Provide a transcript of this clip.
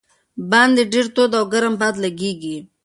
باندې ډېر تود او ګرم باد لګېږي.